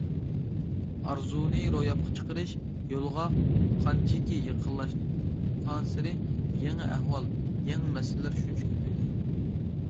ئارزۇنى روياپقا چىقىرىش يولىغا قانچىكى يېقىنلاشقانسېرى يېڭى ئەھۋال، يېڭى مەسىلىلەر شۇنچە كۆپىيىدۇ.